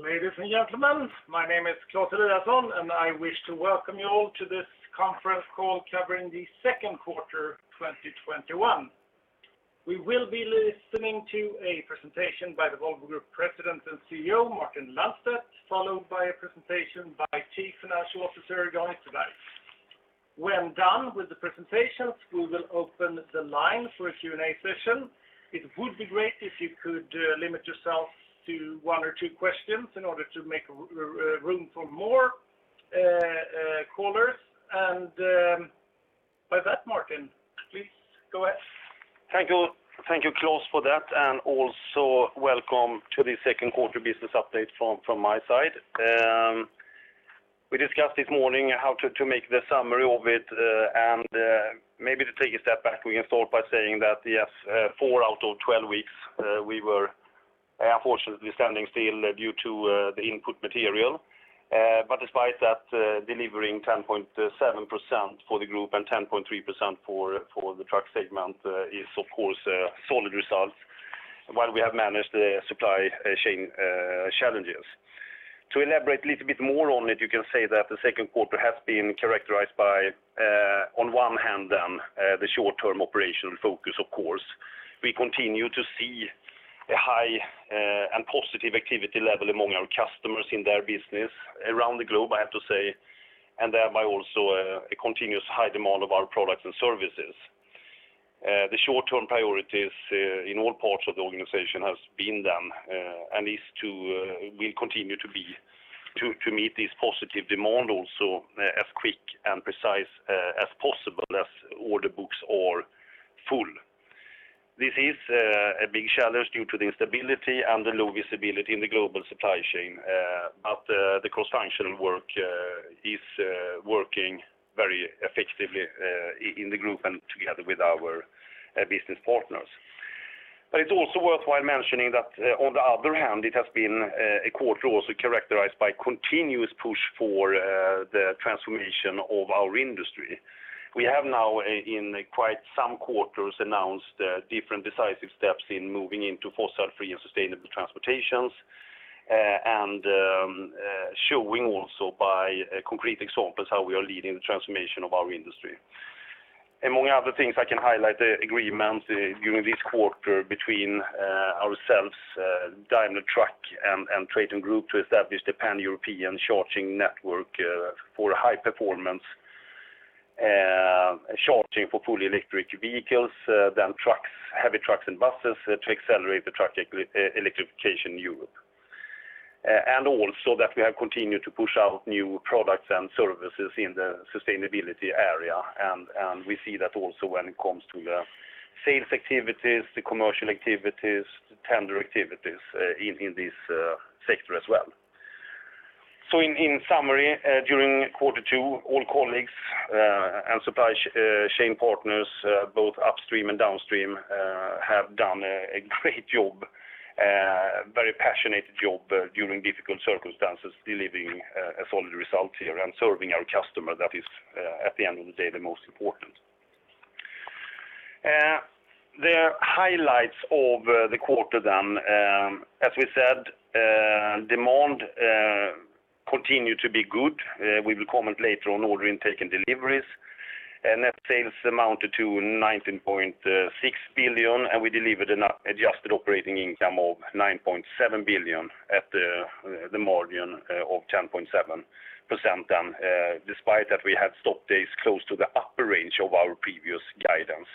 Ladies and gentlemen, my name is Claes Eliasson, and I wish to welcome you all to this conference call covering the Second Quarter 2021. We will be listening to a presentation by the Volvo Group President and CEO, Martin Lundstedt, followed by a presentation by Chief Financial Officer, Jan Ytterberg. When done with the presentations, we will open the lines for a Q&A session. It would be great if you could limit yourself to one or two questions in order to make room for more callers. With that, Martin, please go ahead. Thank you, Claes, for that, and also welcome to the second quarter business update from my side. We discussed this morning how to make the summary of it, and maybe to take a step back, we can start by saying that yes, 4 out of 12 weeks, we were unfortunately standing still due to the input material. Despite that, delivering 10.7% for the group and 10.3% for the truck segment is, of course, a solid result while we have managed the supply chain challenges. To elaborate a little bit more on it, you can say that the second quarter has been characterized by, on one hand, the short-term operational focus, of course. We continue to see a high and positive activity level among our customers in their business around the globe, I have to say, and thereby also a continuous high demand of our products and services. The short-term priorities in all parts of the organization has been done, and will continue to be, to meet this positive demand also as quick and precise as possible as order books are full. This is a big challenge due to the instability and the low visibility in the global supply chain. The cross-functional work is working very effectively in the group and together with our business partners. It's also worthwhile mentioning that on the other hand, it has been a quarter also characterized by continuous push for the transformation of our industry. We have now, in quite some quarters, announced different decisive steps in moving into fossil free and sustainable transportations, and showing also by concrete examples, how we are leading the transformation of our industry. Among other things, I can highlight the agreements during this quarter between ourselves, Daimler Truck, and TRATON GROUP to establish the pan-European charging network for high performance charging for fully electric vehicles, then trucks, heavy trucks, and buses, to accelerate the truck electrification in Europe. Also that we have continued to push out new products and services in the sustainability area. We see that also when it comes to the sales activities, the commercial activities, the tender activities in this sector as well. In summary, during quarter two, all colleagues and supply chain partners, both upstream and downstream, have done a great job, a very passionate job during difficult circumstances, delivering a solid result here and serving our customer. That is, at the end of the day, the most important. The highlights of the quarter. As we said, demand continued to be good. We will comment later on order intake and deliveries. Net sales amounted to 19.6 billion, we delivered an adjusted operating income of 9.7 billion at the margin of 10.7%. Despite that, we had stop days close to the upper range of our previous guidance,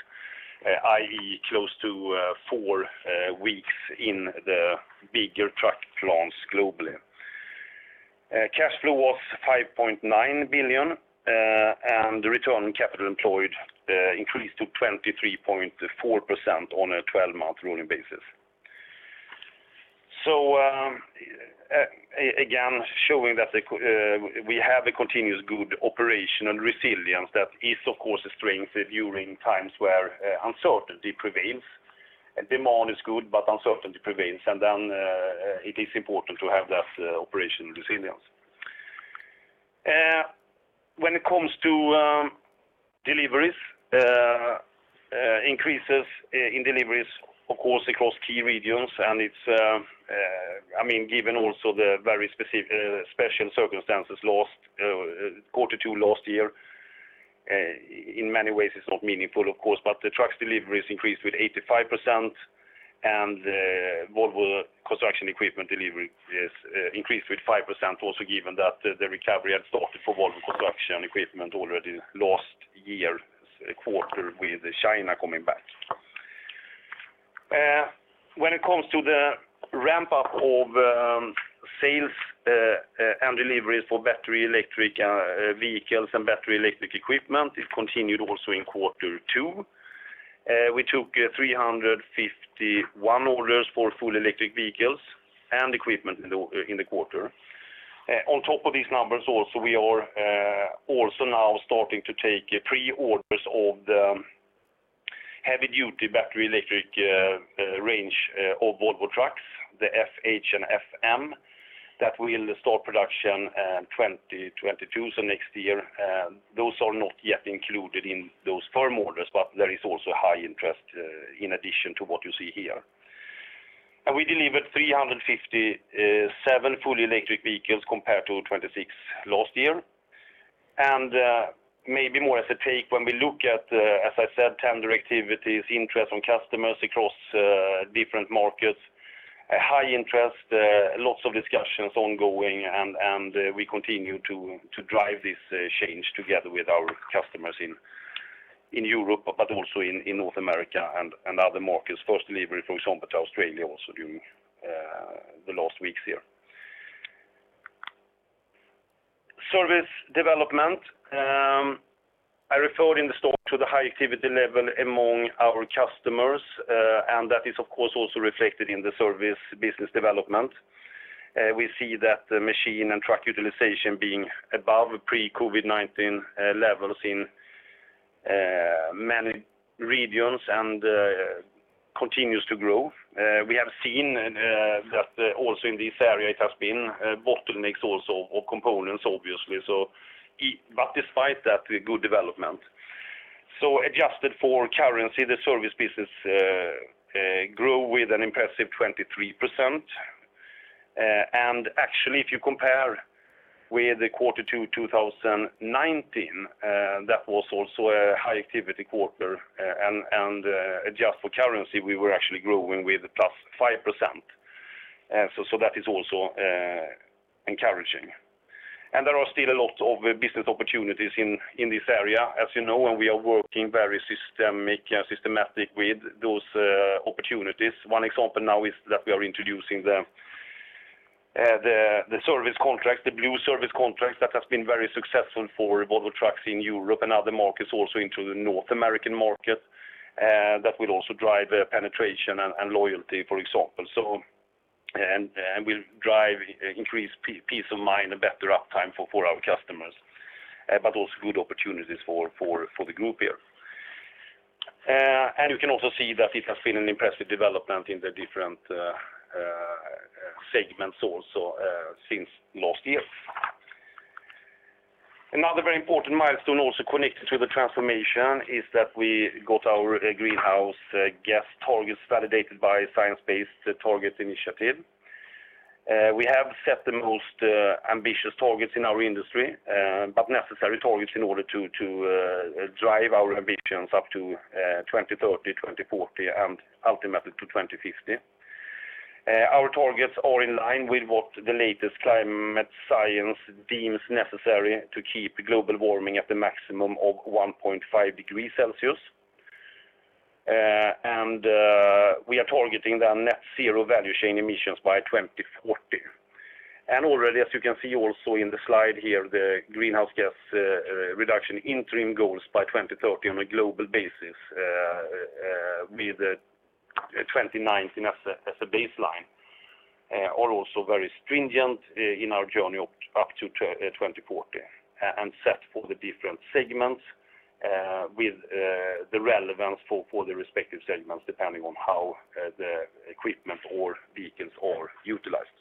i.e., close to four weeks in the bigger truck plans globally. Cash flow was 5.9 billion, the return on capital employed increased to 23.4% on a 12-month rolling basis. Again, showing that we have a continuous good operation and resilience that is, of course, a strength during times where uncertainty prevails. Demand is good, but uncertainty prevails, and then it is important to have that operational resilience. When it comes to deliveries, increases in deliveries, of course, across key regions, and it's given also the very special circumstances quarter two last year. In many ways, it's not meaningful, of course, but the trucks deliveries increased with 85%, and Volvo Construction Equipment delivery increased with 5%, also given that the recovery had started for Volvo Construction Equipment already last year, quarter, with China coming back. When it comes to the ramp-up of sales and deliveries for battery electric vehicles and battery electric equipment, it continued also in quarter two. We took 351 orders for full electric vehicles and equipment in the quarter. On top of these numbers also, we are also now starting to take pre-orders of the heavy-duty battery electric range of Volvo Trucks, the FH and FM. That will start production in 2022, so next year. Those are not yet included in those firm orders, but there is also high interest in addition to what you see here. We delivered 357 fully electric vehicles compared to 26 last year. Maybe more as a take, when we look at, as I said, tender activities, interest from customers across different markets, a high interest, lots of discussions ongoing, and we continue to drive this change together with our customers in Europe, but also in North America and other markets. First delivery, for example, to Australia also during the last weeks here. Service development. I referred in the start to the high activity level among our customers, and that is, of course, also reflected in the service business development. We see that machine and truck utilization being above pre-COVID-19 levels in many regions and continues to grow. We have seen that also in this area it has been bottlenecks also of components, obviously. Despite that, good development. Adjusted for currency, the service business grew with an impressive 23%. Actually, if you compare with the Q2 2019, that was also a high activity quarter, adjusted for currency, we were actually growing with +5%. That is also encouraging. There are still a lot of business opportunities in this area, as you know, we are working very systematic with those opportunities. One example now is that we are introducing the service contracts, the Blue Service Contracts that have been very successful for Volvo Trucks in Europe and other markets, also into the North American market, that will also drive penetration and loyalty, for example. Will drive increased peace of mind and better uptime for our customers, but also good opportunities for the group here. You can also see that it has been an impressive development in the different segments also since last year. Another very important milestone also connected to the transformation is that we got our greenhouse gas targets validated by Science Based Targets initiative. We have set the most ambitious targets in our industry, but necessary targets in order to drive our ambitions up to 2030, 2040, and ultimately to 2050. Our targets are in line with what the latest climate science deems necessary to keep global warming at the maximum of 1.5 degrees Celsius. We are targeting the net zero value chain emissions by 2040. Already, as you can see also in the slide here, the greenhouse gas reduction interim goals by 2030 on a global basis, with 2019 as a baseline, are also very stringent in our journey up to 2040 and set for the different segments with the relevance for the respective segments, depending on how the equipment or vehicles are utilized.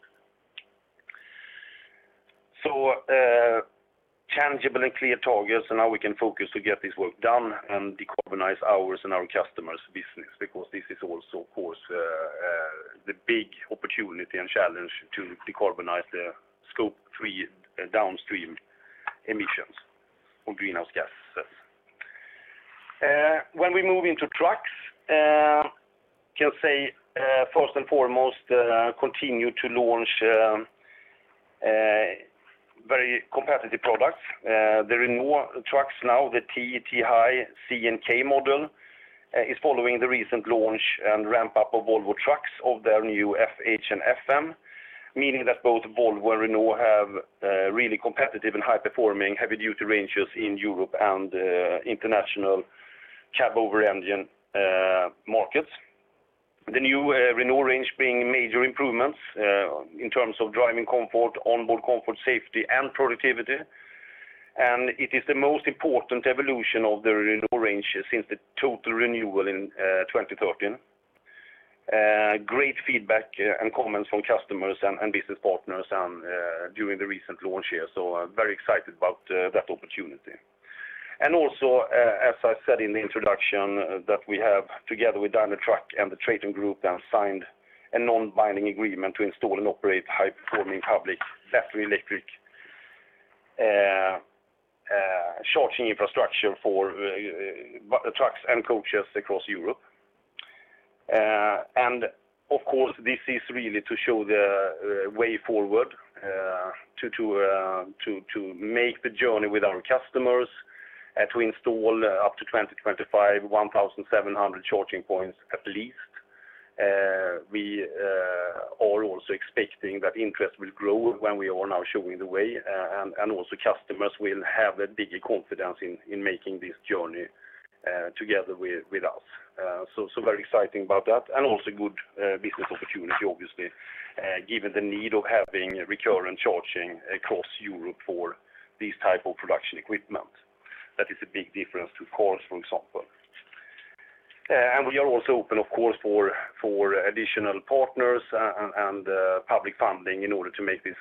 Tangible and clear targets, and now we can focus to get this work done and decarbonize ours and our customers' business, because this is also, of course, the big opportunity and challenge to decarbonize the Scope three downstream emissions of greenhouse gases. When we move into trucks, can say, first and foremost, continue to launch very competitive products. The Renault Trucks now, the T High, C, and K model, is following the recent launch and ramp up of Volvo Trucks of their new FH and FM. Meaning that both Volvo and Renault have really competitive and high-performing heavy-duty ranges in Europe and international cab-over-engine markets. The new Renault range bring major improvements in terms of driving comfort, onboard comfort, safety, and productivity. It is the most important evolution of the Renault range since the total renewal in 2013. Great feedback and comments from customers and business partners during the recent launch here, so very excited about that opportunity. Also, as I said in the introduction, that we have, together with Daimler Truck and the TRATON GROUP, have signed a non-binding agreement to install and operate high-performing public battery electric charging infrastructure for trucks and coaches across Europe. Of course, this is really to show the way forward to make the journey with our customers to install up to 2025, 1,700 charging points at least. We are also expecting that interest will grow when we are now showing the way, and also customers will have a bigger confidence in making this journey together with us. Very exciting about that and also good business opportunity, obviously, given the need of having recurrent charging across Europe for these type of production equipment. That is a big difference to cars, for example. We are also open, of course, for additional partners and public funding in order to make this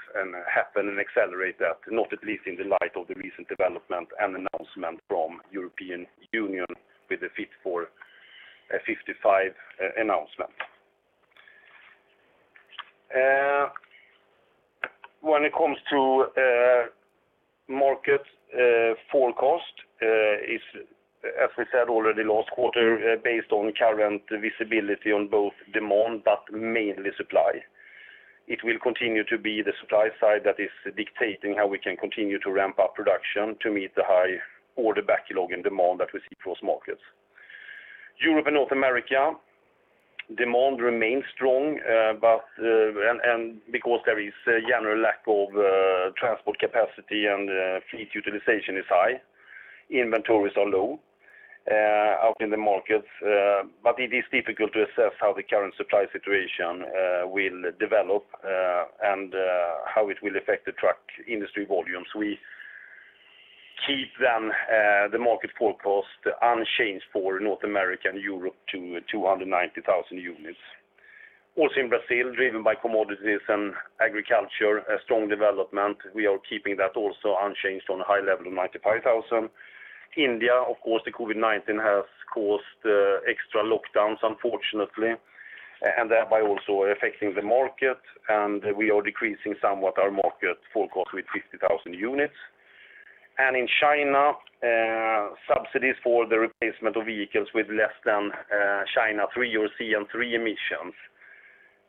happen and accelerate that, not at least in light of the recent development and announcement from the European Union with the Fit for 55 announcement. When it comes to market forecast, as we said already last quarter, based on current visibility on both demand, but mainly supply. It will continue to be the supply side that is dictating how we can continue to ramp-up production to meet the high order backlog and demand that we see across markets. Europe and North America, demand remains strong. Because there is a general lack of transport capacity and fleet utilization is high, inventories are low out in the markets. It is difficult to assess how the current supply situation will develop, and how it will affect the truck industry volumes. We keep them, the market forecast, unchanged for North America and Europe to 290,000 units. In Brazil, driven by commodities and agriculture, a strong development. We are keeping that also unchanged on a high level of 95,000. India, of course, the COVID-19 has caused extra lockdowns, unfortunately, and thereby also affecting the market, and we are decreasing somewhat our market forecast with 50,000 units. In China, subsidies for the replacement of vehicles with less than China III or CN III emissions,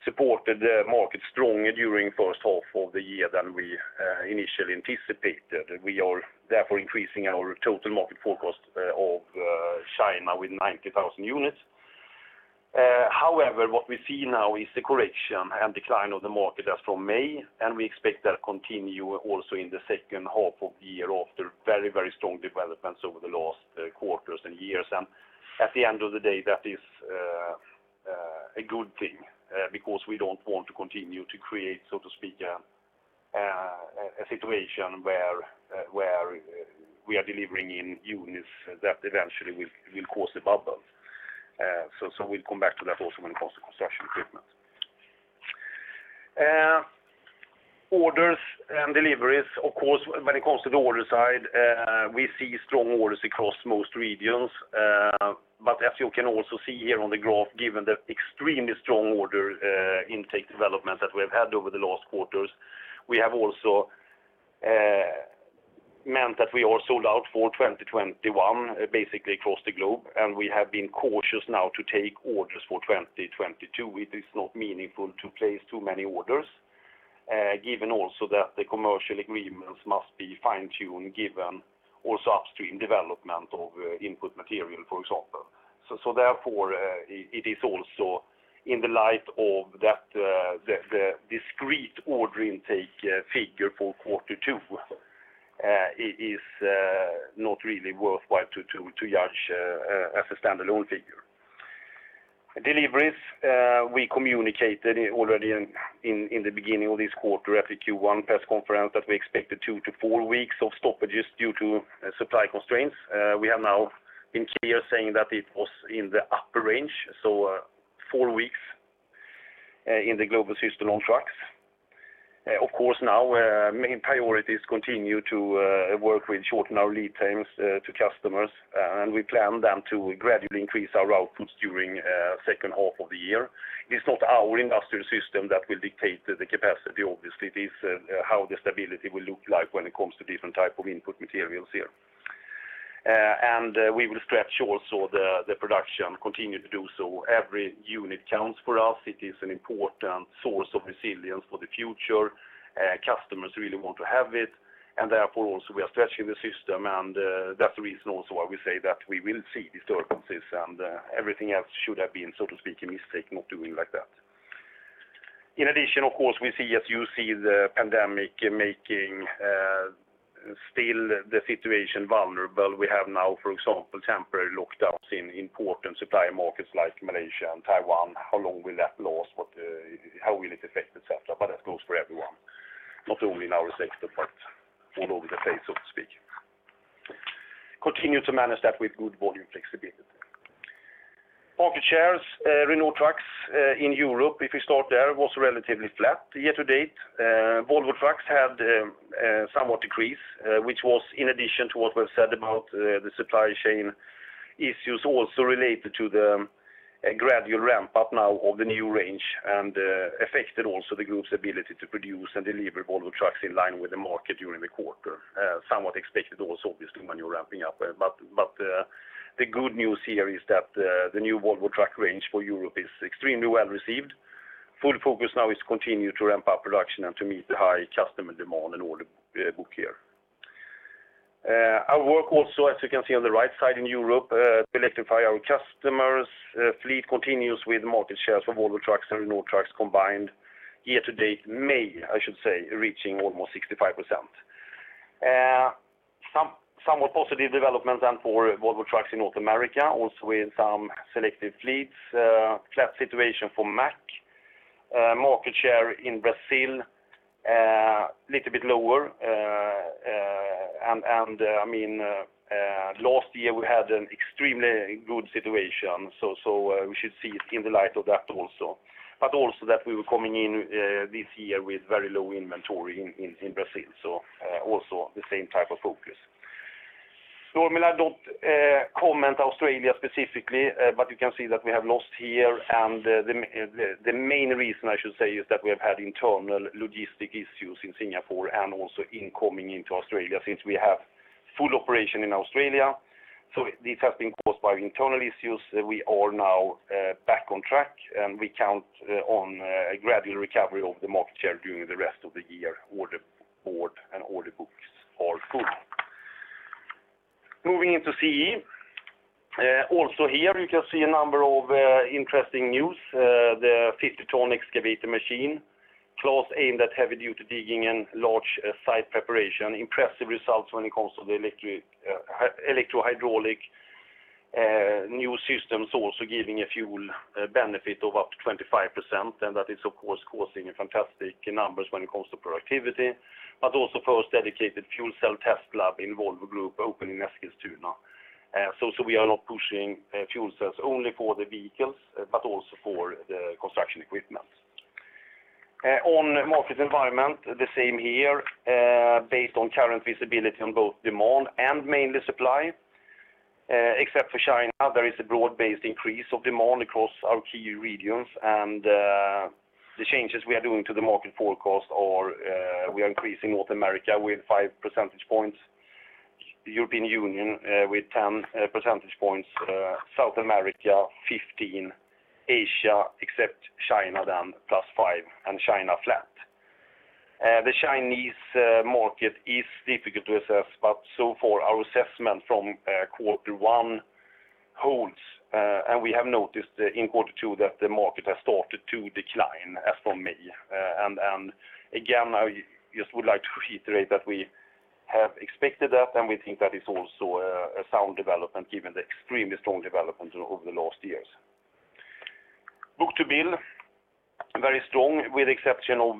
supported the market strongly during the first half of the year than we initially anticipated. We are therefore increasing our total market forecast of China with 90,000 units. However, what we see now is the correction and decline of the market as from May, and we expect that to continue also in the second half of the year after very strong developments over the last quarters and years. At the end of the day, that is a good thing, because we don't want to continue to create, so to speak, a situation where we are delivering in units that eventually will cause a bubble. We'll come back to that also when it comes to Construction Equipment. Orders and deliveries. Of course, when it comes to the order side, we see strong orders across most regions. As you can also see here on the graph, given the extremely strong order intake development that we've had over the last quarters, we have also meant that we are sold out for 2021, basically across the globe, and we have been cautious now to take orders for 2022. It is not meaningful to place too many orders, given also that the commercial agreements must be fine-tuned, given also upstream development of input material, for example. Therefore, it is also in light of that, the discrete order intake figure for quarter two is not really worthwhile to judge as a standalone figure. Deliveries. We communicated already in the beginning of this quarter after Q1 press conference, that we expected two to four weeks of stoppages due to supply constraints. We have now been clear saying that it was in the upper range, four weeks in the global system on trucks. Of course, now our main priority is to continue to work with shortening our lead times to customers, and we plan then to gradually increase our outputs during the second half of the year. It is not our industrial system that will dictate the capacity. Obviously, it is how the stability will look like when it comes to different types of input materials here. We will stretch also the production, continue to do so. Every unit counts for us. It is an important source of resilience for the future. Customers really want to have it, and therefore also we are stretching the system, and that's the reason also why we say that we will see disturbances, and everything else should have been, so to speak, a mistake not doing like that. In addition, of course, we see, as you see, the pandemic making still the situation vulnerable. We have now, for example, temporary lockdowns in important supply markets like Malaysia and Taiwan. How long will that last? How will it affect et cetera? That goes for everyone, not only in our sector, but all over the place, so to speak. Continue to manage that with good volume flexibility. Market shares. Renault Trucks in Europe, if we start there, was relatively flat year-to-date. Volvo Trucks had somewhat decreased, which was in addition to what was said about the supply chain issues, also related to the gradual ramp-up now of the new range, and affected also the group's ability to produce and deliver Volvo Trucks in line with the market during the quarter. Somewhat expected also, obviously, when you're ramping-up. The good news here is that the new Volvo truck range for Europe is extremely well-received. Full focus now is to continue to ramp-up production and to meet the high customer demand and order book here. Our work also, as you can see on the right side in Europe, to electrify our customers' fleet continues with market shares for Volvo Trucks and Renault Trucks combined year-to-date, May, I should say, reaching almost 65%. Somewhat positive developments for Volvo Trucks in North America, also in some selective fleets. Flat situation for Mack. Market share in Brazil, little bit lower. Last year, we had an extremely good situation. We should see it in the light of that also. Also that we were coming in this year with very low inventory in Brazil. Also the same type of focus. Normally, don't comment Australia specifically, but you can see that we have lost here, and the main reason I should say, is that we have had internal logistic issues in Singapore and also in coming into Australia, since we have full operation in Australia. This has been caused by internal issues. We are now back on track, and we count on a gradual recovery of the market share during the rest of the year, order board and order books are full. Moving into CE. Also here you can see a number of interesting news. The 50-ton excavator machine, class aimed at heavy-duty digging and large site preparation. Impressive results when it comes to the electrohydraulic new systems, also giving a fuel benefit of up to 25%, and that is, of course, causing fantastic numbers when it comes to productivity. First dedicated fuel cell test lab in Volvo Group opened in Eskilstuna. We are now pushing fuel cells only for the vehicles, but also for the construction equipment. On market environment, the same here, based on current visibility on both demand and mainly supply. Except for China, there is a broad-based increase of demand across our key regions, and the changes we are doing to the market forecast, or we are increasing North America with 5 percentage points, European Union with 10 percentage points, South America 15, Asia except China, then +5, and China flat. The Chinese market is difficult to assess. So far our assessment from quarter one holds. We have noticed in Q2 that the market has started to decline as from May. Again, I just would like to reiterate that we have expected that. We think that it's also a sound development given the extremely strong development over the last years. Book-to-bill, very strong with exception of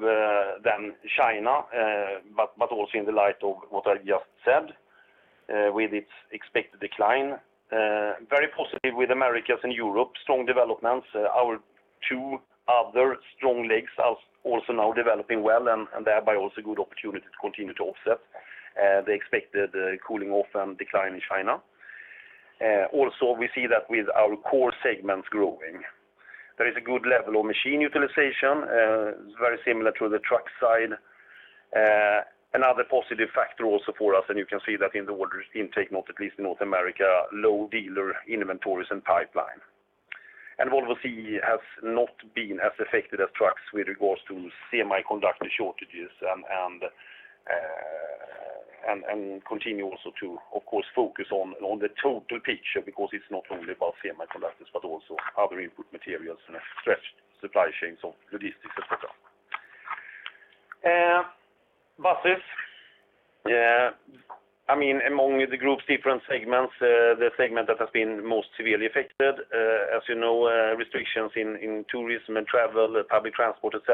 China, also in the light of what I just said, with its expected decline. Very positive with Americas and Europe, strong developments. Our two other strong legs are also now developing well. Thereby also good opportunity to continue to offset the expected cooling off and decline in China. We also see that with our core segments growing. There is a good level of machine utilization, very similar to the truck side. Another positive factor also for us, you can see that in the orders intake, not at least in North America, low dealer inventories and pipeline. Volvo CE has not been as affected as trucks with regards to semiconductor shortages and continue also to, of course, focus on the total picture, because it's not only about semiconductors, but also other input materials and stretched supply chains of logistics, et cetera. Buses. Among the group's different segments, the segment that has been most severely affected, as you know, restrictions in tourism and travel, public transport, et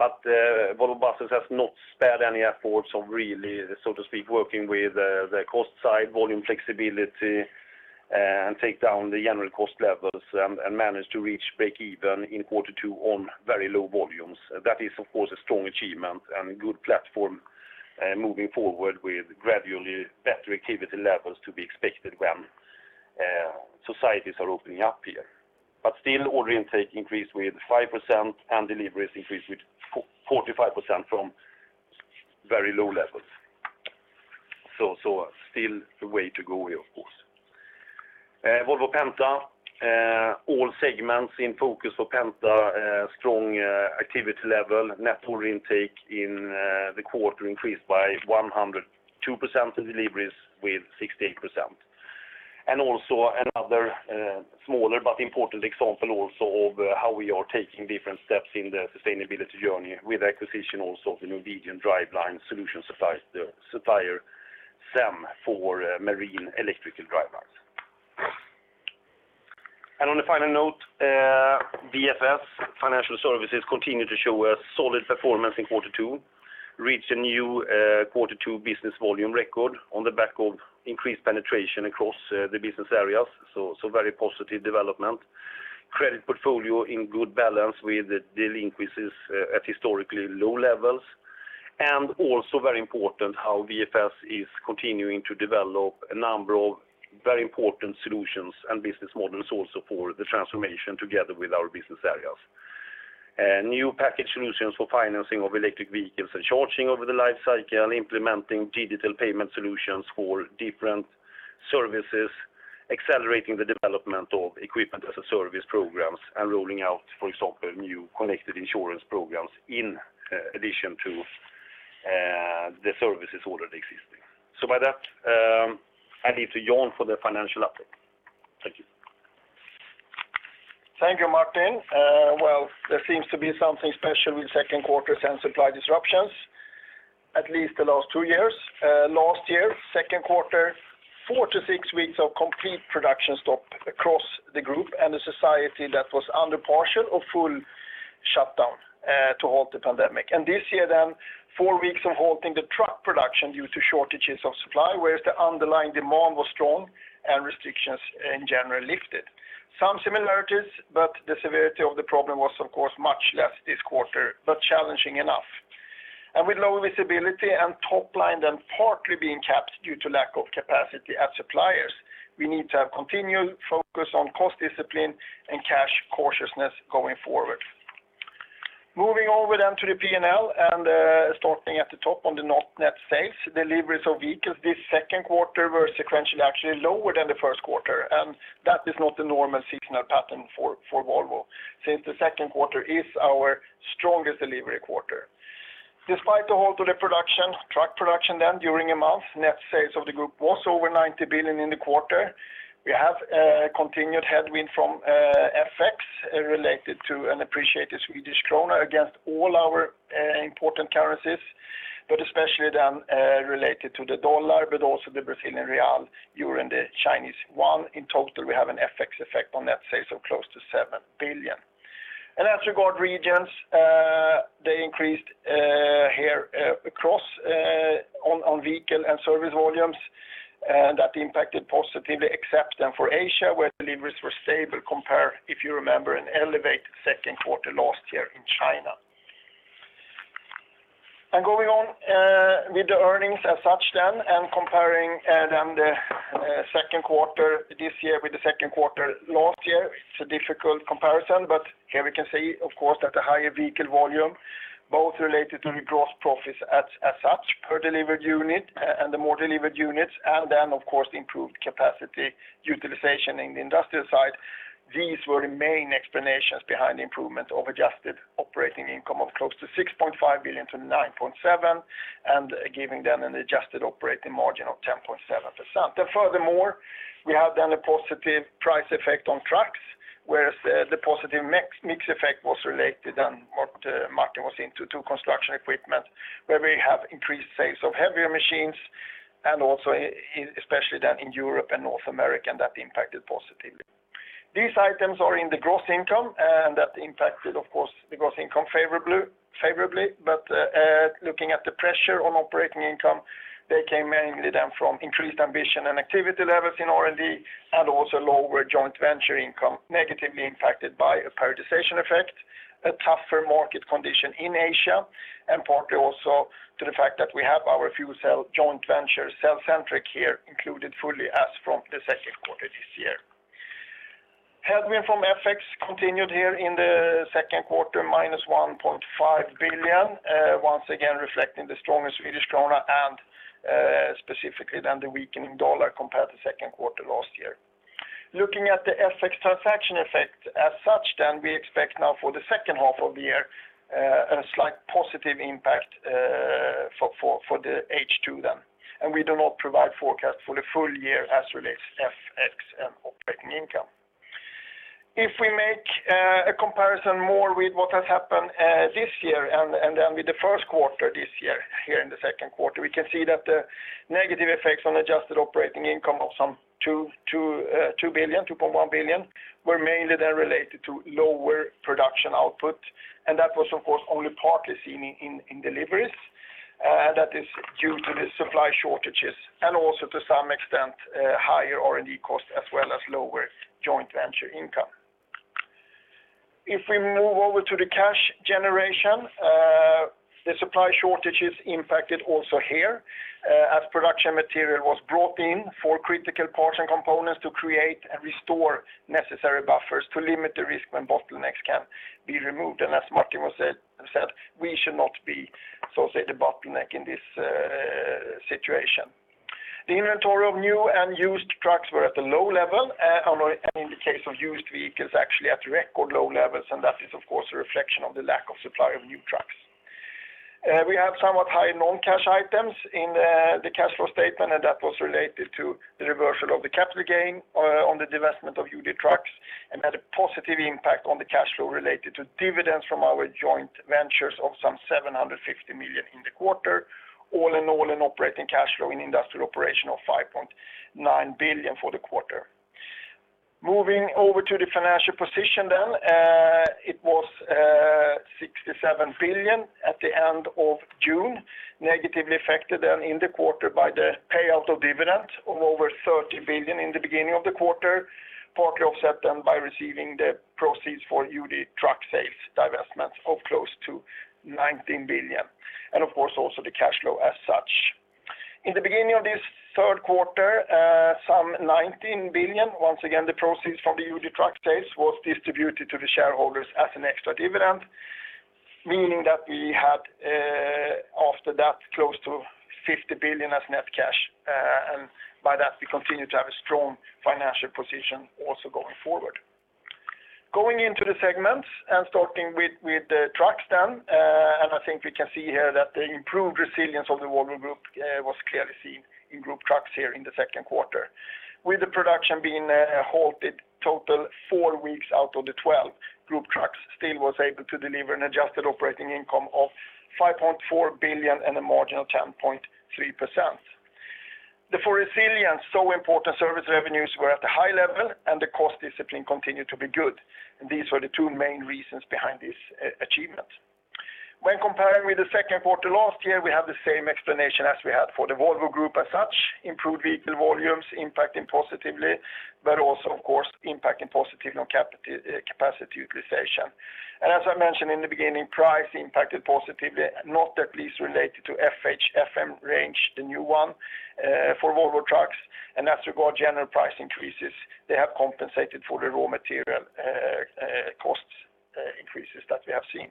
cetera. Volvo Buses has not spared any efforts of really, so to speak, working with the cost side, volume flexibility, and take down the general cost levels and manage to reach break even in quarter two on very low volumes. That is, of course, a strong achievement and good platform moving forward with gradually better activity levels to be expected when societies are opening up here. Order intake increased with 5%, and deliveries increased with 45% from very low levels. Still a way to go here, of course. Volvo Penta. All segments in focus for Penta. Strong activity level. Net order intake in the quarter increased by 102%, deliveries with 68%. Another smaller but important example also of how we are taking different steps in the sustainability journey with acquisition also of the Norwegian driveline solution supplier, ZEM AS, for marine electrical drivelines. On a final note, VFS, financial services, continue to show a solid performance in quarter two. Reached a new quarter two business volume record on the back of increased penetration across the business areas. Very positive development. Credit portfolio in good balance with delinquencies at historically low levels. Also very important how VFS is continuing to develop a number of very important solutions and business models also for the transformation together with our business areas. New package solutions for financing of electric vehicles and charging over the life cycle, implementing digital payment solutions for different services, accelerating the development of equipment-as-a-service programs, and rolling out, for example, new connected insurance programs in addition to the services already existing. With that, I leave to Jan for the financial update. Thank you. Thank you, Martin. Well, there seems to be something special with second quarters and supply disruptions. At least the last two years. Last year, second quarter, four to six weeks of complete production stop across the group and a society that was under partial or full shutdown to halt the pandemic. This year, four weeks of halting the truck production due to shortages of supply, whereas the underlying demand was strong and restrictions in general lifted. Some similarities, the severity of the problem was, of course, much less this quarter, but challenging enough. With lower visibility and top-line partly being capped due to lack of capacity at suppliers, we need to have continued focus on cost discipline and cash cautiousness going forward. Moving over to the P&L and starting at the top on the net sales, deliveries of vehicles this second quarter were sequentially actually lower than the first quarter, that is not the normal seasonal pattern for Volvo, since the second quarter is our strongest delivery quarter. Despite the halt of the truck production during a month, net sales of the group was over 90 billion in the quarter. We have a continued headwind from FX related to an appreciated Swedish krona against all our important currencies, especially related to the dollar, also the Brazilian real, euro, and the Chinese yuan. In total, we have an FX effect on net sales of close to 7 billion. As regard regions, they increased here across on vehicle and service volumes. That impacted positively except for Asia, where deliveries were stable compared, if you remember, an elevated second quarter last year in China. Going on with the earnings as such, comparing the second quarter this year with the second quarter last year, it is a difficult comparison, but here we can see, of course, that the higher vehicle volume, both related to the gross profits as such per delivered unit and the more delivered units, then, of course, the improved capacity utilization in the industrial side. These were the main explanations behind the improvement of adjusted operating income of close to 6.5 billion-9.7 billion, giving them an adjusted operating margin of 10.7%. Furthermore, we have a positive price effect on trucks, whereas the positive mix effect was related what Martin was into, to Construction Equipment, where we have increased sales of heavier machines, and also especially in Europe and North America, and that impacted positively. These items are in the gross income, that impacted, of course, the gross income favorably. Looking at the pressure on operating income, they came mainly from increased ambition and activity levels in R&D and also lower joint venture income, negatively impacted by a prioritization effect, a tougher market condition in Asia, and partly also to the fact that we have our fuel cell joint venture, cellcentric here, included fully as from the second quarter this year. Headwind from FX continued here in the second quarter, -1.5 billion, once again reflecting the stronger Swedish krona and specifically then the weakening U.S. dollar compared to second quarter last year. Looking at the FX transaction effect as such then, we expect now for the second half of the year a slight positive impact for the H2 then. We do not provide forecast for the full-year as relates FX and operating income. If we make a comparison more with what has happened this year and then with the first quarter this year, here in the second quarter, we can see that the negative effects on adjusted operating income of some 2.1 billion were mainly then related to lower production output. That was, of course, only partly seen in deliveries. That is due to the supply shortages and also to some extent, higher R&D costs as well as lower joint venture income. We move over to the cash generation, the supply shortages impacted also here, as production material was brought in for critical parts and components to create and restore necessary buffers to limit the risk when bottlenecks can be removed. As Martin said, we should not be, so to say, the bottleneck in this situation. The inventory of new and used trucks were at a low level, in the case of used vehicles, actually at record low levels, that is, of course, a reflection of the lack of supply of new trucks. We have somewhat high non-cash items in the cash flow statement, and that was related to the reversal of the capital gain on the divestment of UD Trucks and had a positive impact on the cash flow related to dividends from our joint ventures of some 750 million in the quarter. All in all, an operating cash flow in industrial operation of 5.9 billion for the quarter. Moving over to the financial position then, it was 67 billion at the end of June, negatively affected then in the quarter by the payout of dividend of over 30 billion in the beginning of the quarter, partly offset then by receiving the proceeds for UD Truck sales divestment of close to 19 billion, and of course, also the cash flow as such. In the beginning of this third quarter, some 19 billion, once again, the proceeds from the UD Trucks sales was distributed to the shareholders as an extra dividend, meaning that we had, after that, close to 50 billion as net cash. By that, we continue to have a strong financial position also going forward. Going into the segments and starting with trucks then, I think we can see here that the improved resilience of the Volvo Group was clearly seen in Group Trucks here in the second quarter. With the production being halted total 4 weeks out of the 12, Group Trucks still was able to deliver an adjusted operating income of 5.4 billion and a margin of 10.3%. The resilience, so important service revenues were at a high level and the cost discipline continued to be good. These were the two main reasons behind this achievement. When comparing with the second quarter last year, we have the same explanation as we had for the Volvo Group as such, improved vehicle volumes impacting positively, also of course impacting positively on capacity utilization. As I mentioned in the beginning, price impacted positively, not at least related to FH/FM range, the new one, for Volvo Trucks. As regard general price increases, they have compensated for the raw material cost increases that we have seen.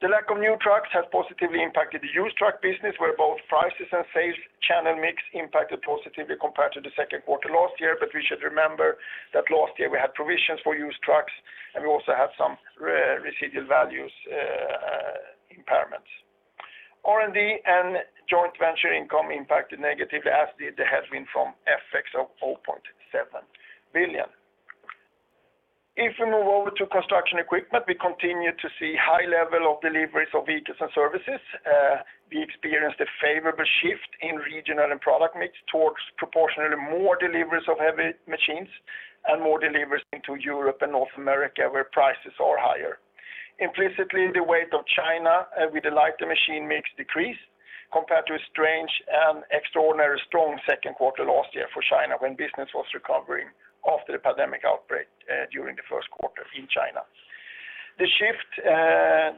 The lack of new trucks has positively impacted the used truck business, where both prices and sales channel mix impacted positively compared to the second quarter last year. We should remember that last year we had provisions for used trucks, and we also had some residual values impairments. R&D and joint venture income impacted negatively, as did the headwind from FX of 0.7 billion. If we move over to Volvo Construction Equipment, we continue to see high level of deliveries of vehicles and services. We experienced a favorable shift in regional and product mix towards proportionally more deliveries of heavy machines and more deliveries into Europe and North America, where prices are higher. Implicitly, the weight of China with the lighter machine mix decreased compared to a strange and extraordinarily strong second quarter last year for China when business was recovering after the COVID-19 outbreak during the first quarter in China. The shift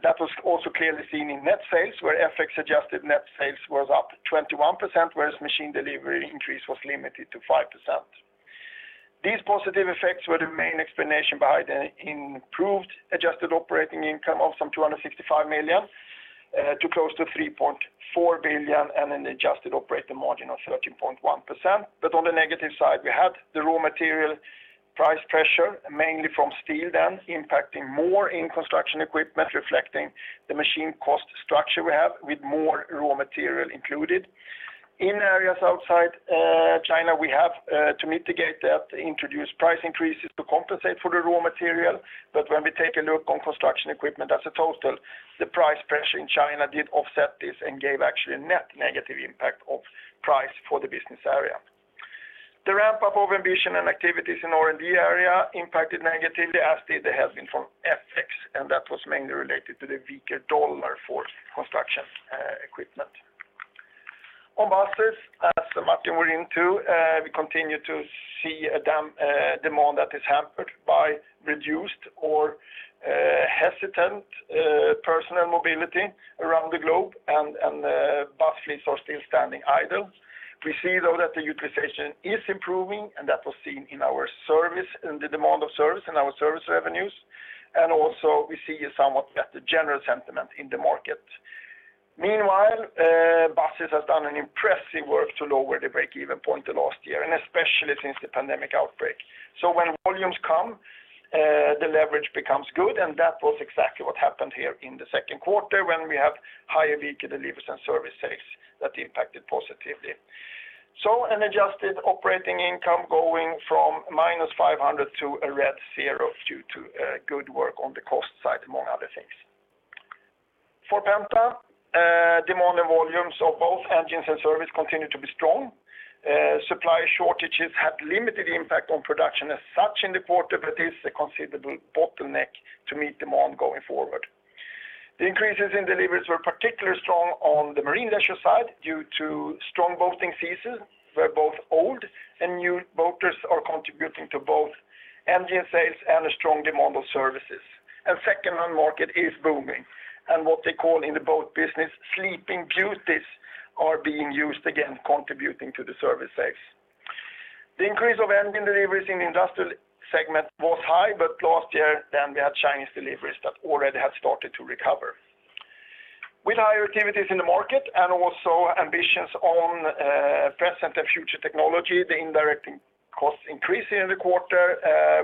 that was also clearly seen in net sales, where FX-adjusted net sales was up 21%, whereas machine delivery increase was limited to 5%. These positive effects were the main explanation behind the improved adjusted operating income of some 265 million to close to 3.4 billion and an adjusted operating margin of 13.1%. On the negative side, we had the raw material price pressure, mainly from steel then impacting more in construction equipment, reflecting the machine cost structure we have with more raw material included. In areas outside China, we have to mitigate that, introduce price increases to compensate for the raw material. When we take a look on construction equipment as a total, the price pressure in China did offset this and gave actually a net negative impact of price for the business area. The ramp-up of ambition and activities in R&D area impacted negatively, as did the headwind from FX, and that was mainly related to the weaker U.S. dollar for construction equipment. On buses, as Martin were into, we continue to see a demand that is hampered by reduced or hesitant personal mobility around the globe and bus fleets are still standing idle. We see, though, that the utilization is improving, and that was seen in the demand of service and our service revenues. Also, we see a somewhat better general sentiment in the market. Meanwhile, Volvo Buses have done an impressive work to lower the break-even point than last year, and especially since the pandemic outbreak. When volumes come, the leverage becomes good, and that was exactly what happened here in the second quarter when we have higher vehicle deliveries and service sales that impacted positively. An adjusted operating income going from -500 to a [red zero] due to good work on the cost side, among other things. For Penta, demand and volumes of both engines and service continue to be strong. Supply shortages had limited impact on production as such in the quarter, but is a considerable bottleneck to meet demand going forward. The increases in deliveries were particularly strong on the Marine Leisure side due to strong boating season, where both old and new boaters are contributing to both engine sales and a strong demand of services. Second-hand market is booming, and what they call in the boat business, sleeping beauties are being used again, contributing to the service sales. The increase of engine deliveries in the industrial segment was high, last year then we had Chinese deliveries that already had started to recover. With higher activities in the market and also ambitions on present and future technology, the indirect costs increased in the quarter,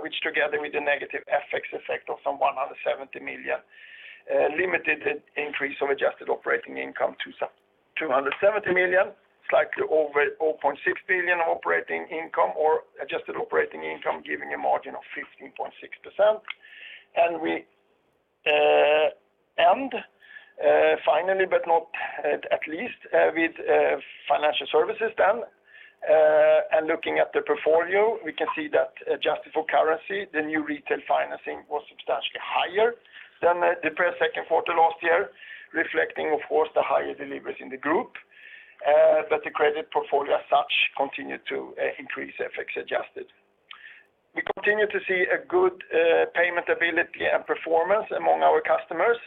which together with the negative FX effect of some 170 million limited increase of adjusted operating income to 270 million, slightly over 0.6 billion of operating income or adjusted operating income, giving a margin of 15.6%. We end, finally but not at least, with Financial Services then. Looking at the portfolio, we can see that adjusted for currency, the new retail financing was substantially higher than the second quarter last year, reflecting, of course, the higher deliveries in the Group. The credit portfolio as such continued to increase, FX adjusted. We continue to see a good payment ability and performance among our customers,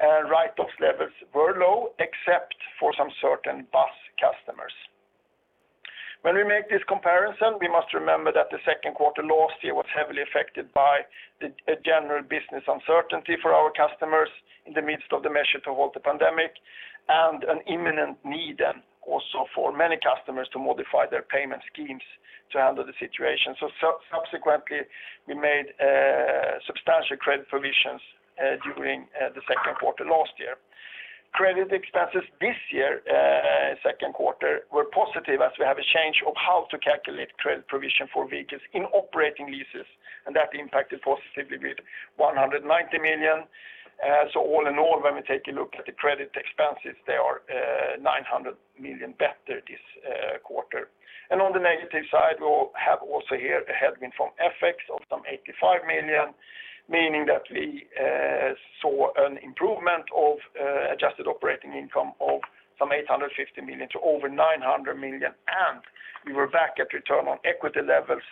and write-offs levels were low, except for some certain bus customers. When we make this comparison, we must remember that the second quarter last year was heavily affected by a general business uncertainty for our customers in the midst of the measure to halt the pandemic and an imminent need then also for many customers to modify their payment schemes to handle the situation. Subsequently, we made substantial credit provisions during the second quarter last year. Credit expenses this year, second quarter, were positive as we have a change of how to calculate credit provision for vehicles in operating leases. That impacted positively with 190 million. All in all, when we take a look at the credit expenses, they are 900 million better this quarter. On the negative side, we have also here a headwind from FX of some 85 million, meaning that we saw an improvement of adjusted operating income of some 850 million to over 900 million. We were back at return on equity levels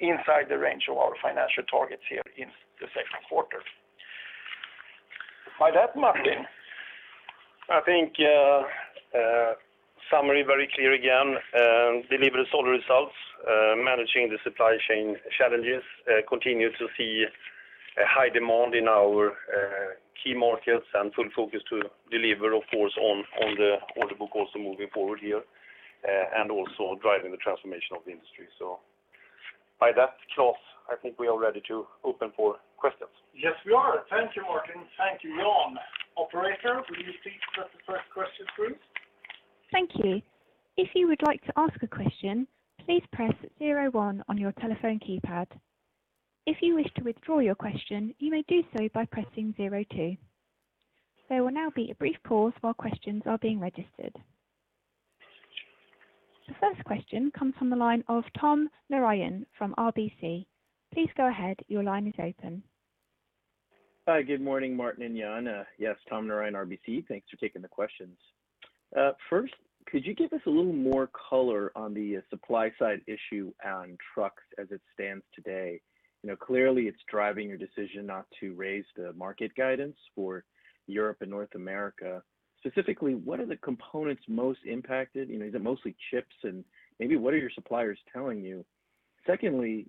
inside the range of our financial targets here in the second quarter. By that, Martin. I think summary, very clear again. Delivered solid results, managing the supply chain challenges, continue to see a high demand in our key markets, and full focus to deliver, of course, on the order book also moving forward here, and also driving the transformation of the industry. By that, Claes, I think we are ready to open for questions. Yes, we are. Thank you, Martin. Thank you, Jan. Operator, could you please put the first question through? Thank you. If you would like to ask a question, please press zero one on your telephone keypad. If you wish to withdraw your question, you may do so by pressing zero two. There will be a brief pause while questions are being registered. The first question comes from the line of Tom Narayan from RBC. Please go ahead. Your line is open. Hi. Good morning, Martin and Jan. Yes, Tom Narayan, RBC. Thanks for taking the questions. First, could you give us a little more color on the supply side issue on trucks as it stands today? Clearly, it's driving your decision not to raise the market guidance for Europe and North America. Specifically, what are the components most impacted? Is it mostly chips? Maybe what are your suppliers telling you? Secondly,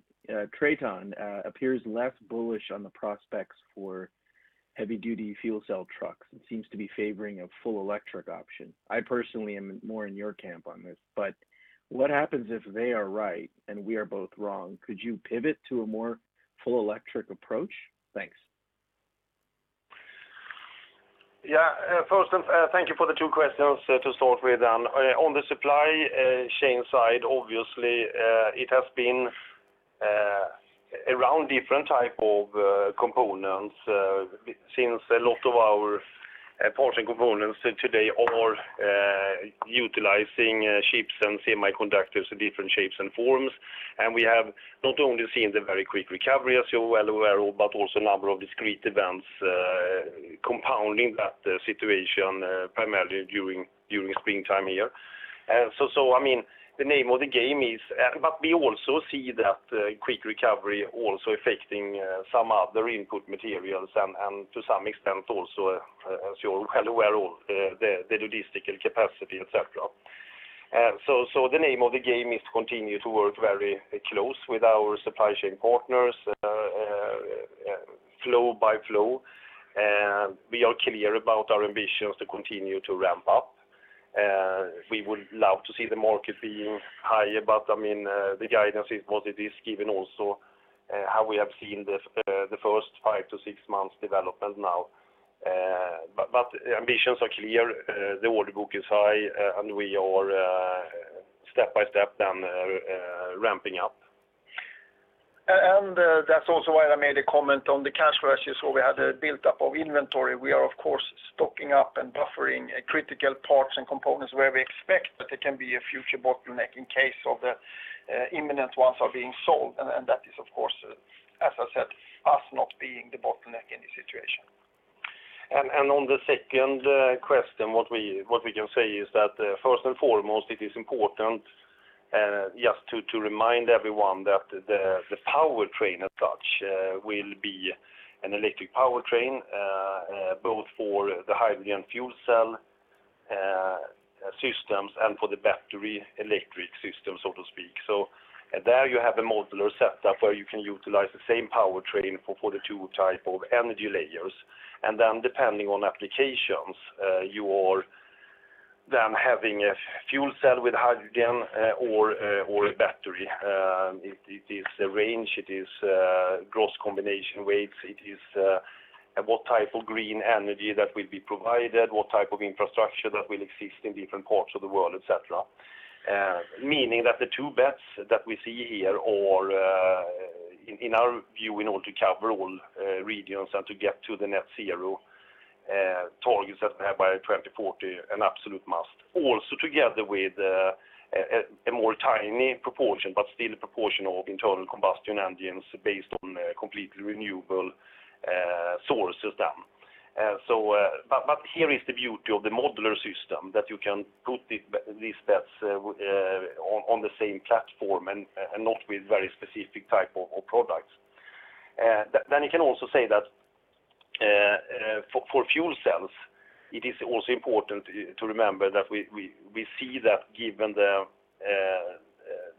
TRATON appears less bullish on the prospects for heavy-duty fuel cell trucks. It seems to be favoring a full electric option. I personally am more in your camp on this, but what happens if they are right and we are both wrong? Could you pivot to a more full electric approach? Thanks. Yeah. First, thank you for the two questions to start with. On the supply chain side, obviously, it has been around different type of components, since a lot of our parts and components today are utilizing chips and semiconductors in different shapes and forms. We have not only seen the very quick recovery, as you're well aware, but also a number of discrete events compounding that situation, primarily during springtime here. We also see that quick recovery also affecting some other input materials, and to some extent also, as you're well aware, the logistical capacity, et cetera. The name of the game is to continue to work very close with our supply chain partners, flow-by-flow. We are clear about our ambitions to continue to ramp-up. We would love to see the market being higher, but the guidance is what it is, given also how we have seen the first five to six months development now. Ambitions are clear. The order book is high, and we are step-by-step then ramping-up. That's also why I made a comment on the cash flow, as you saw, we had a buildup of inventory. We are, of course, stocking up and buffering critical parts and components where we expect that there can be a future bottleneck in case of the imminent ones are being sold. That is, of course, as I said, us not being the bottleneck in the situation. On the second question, what we can say is that, first and foremost, it is important just to remind everyone that the powertrain as such will be an electric powertrain, both for the hydrogen fuel cell systems and for the battery electric system, so to speak. There you have a modular setup where you can utilize the same powertrain for the two type of energy layers. Then depending on applications, you are then having a fuel cell with hydrogen or a battery. It is a range, it is gross combination weights. It is what type of green energy that will be provided, what type of infrastructure that will exist in different parts of the world, et cetera. The two bets that we see here are, in our view, in order to cover all regions and to get to the net zero targets that we have by 2040, an absolute must. Together with a more tiny proportion, but still a proportion of internal combustion engines based on completely renewable sources then. Here is the beauty of the modular system, that you can put these bets on the same platform and not with very specific type of products. You can also say that for fuel cells, it is also important to remember that we see that given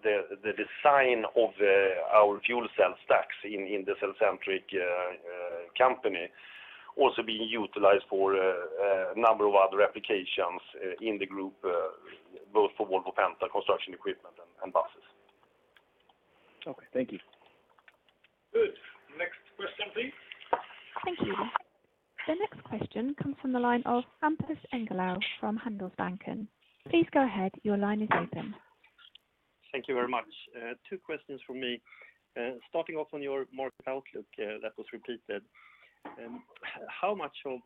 the design of our fuel cell stacks in the cellcentric company, also being utilized for a number of other applications in the group, both for Volvo Penta, construction equipment, and buses. Okay. Thank you. Good. Next question, please. Thank you. The next question comes from the line of Hampus Engellau from Handelsbanken. Please go ahead. Your line is open. Thank you very much. Two questions from me. Starting off on your market outlook that was repeated. How much of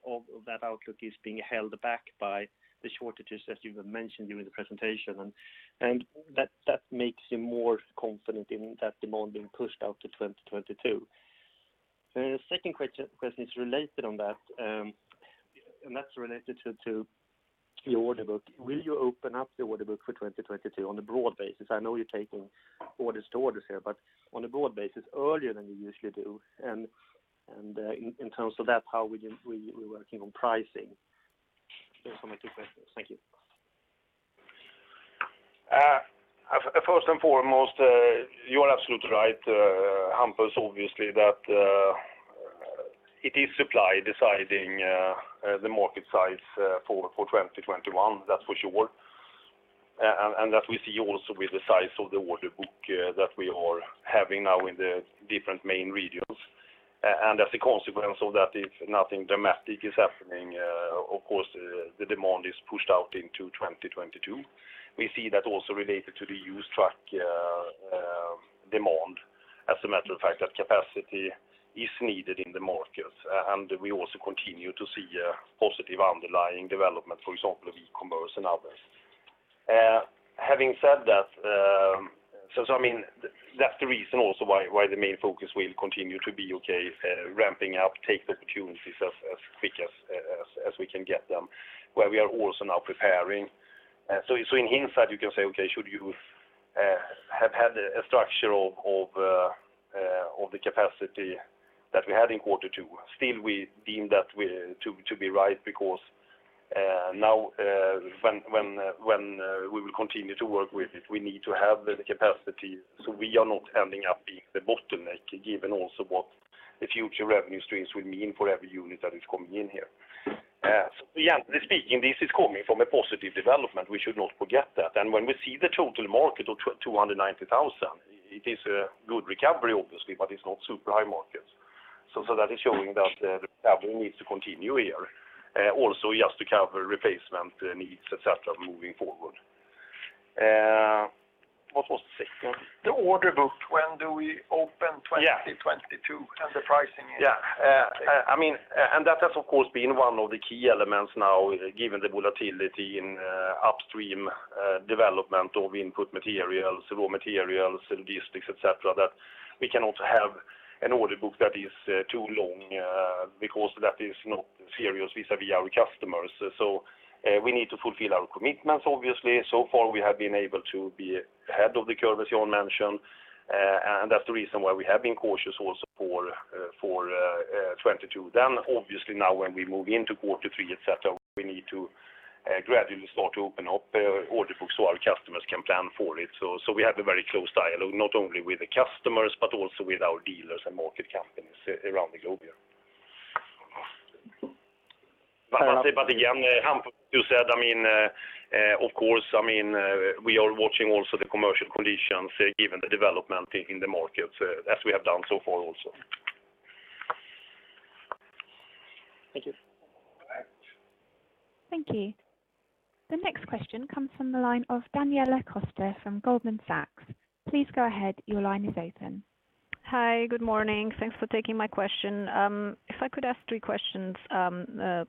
that outlook is being held back by the shortages that you have mentioned during the presentation? That makes you more confident in that demand being pushed out to 2022. The second question is related on that, and that's related to your order book. Will you open up the order book for 2022 on a broad basis? I know you're taking [orders to orders] here, but on a broad basis, earlier than you usually do, and in terms of that, how we're working on pricing? There's so many questions. Thank you. First and foremost, you are absolutely right, Hampus, obviously, that it is supply deciding the market size for 2021, that's for sure. That we see also with the size of the order book that we are having now in the different main regions. As a consequence of that, if nothing dramatic is happening, of course, the demand is pushed out into 2022. We see that also related to the used truck demand, as a matter of fact, that capacity is needed in the market. We also continue to see a positive underlying development, for example, of e-commerce and others. Having said that's the reason also why the main focus will continue to be okay, ramping-up, take the opportunities as quick as we can get them, where we are also now preparing. In hindsight, you can say, okay, should you have had a structure of the capacity that we had in quarter two. Still, we deem that to be right because now when we will continue to work with it, we need to have the capacity so we are not ending up being the bottleneck, given also what the future revenue streams will mean for every unit that is coming in here. Again, speaking, this is coming from a positive development. We should not forget that. When we see the total market of 290,000, it is a good recovery, obviously, but it's not super high markets. That is showing that the recovery needs to continue here, also just to cover replacement needs, et cetera, moving forward. What was the second one? The order book, when do we open 2022 and the pricing? Yeah. That has, of course, been one of the key elements now, given the volatility in upstream development of input materials, raw materials, and logistics, et cetera, that we cannot have an order book that is too long, because that is not serious vis-a-vis our customers. We need to fulfill our commitments, obviously. So far, we have been able to be ahead of the curve, as Jan mentioned, that is the reason why we have been cautious also for 2022. Obviously now when we move into quarter three, et cetera, we need to gradually start to open up order books so our customers can plan for it. We have a very close dialogue, not only with the customers, but also with our dealers and market companies around the globe here. Again, Hampus, you said, of course, we are watching also the commercial conditions, given the development in the market, as we have done so far also. Thank you. Thank you. The next question comes from the line of Daniela Costa from Goldman Sachs. Please go ahead, your line is open. Hi. Good morning. Thanks for taking my question. If I could ask three questions,